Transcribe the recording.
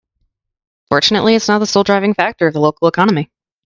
Fortunately its not the sole driving factor of the local economy.